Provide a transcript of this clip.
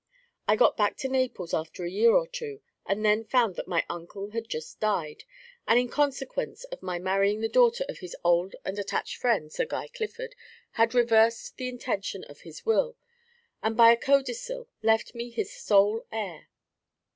I got back to Naples after a year or two, and then found that my uncle had just died, and in consequence of my marrying the daughter of his old and attached friend, Sir Guy Clifford, had reversed the intention of his will, and by a codicil left me his sole heir.